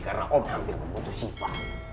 karena om hampir membunuh shiva